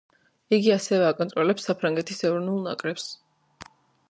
იგი ასევე აკონტროლებს საფრანგეთის ეროვნულ ნაკრებს.